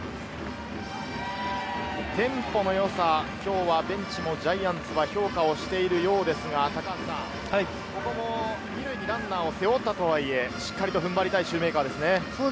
テンポの良さ、今日はベンチもジャイアンツは評価をしているようですが、高橋さん、２塁にランナーを背負ったとはいえ、しっかりと踏ん張りたいシューメーカーですね。